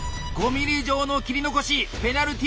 ５ｍｍ以上の切り残しペナルティ１！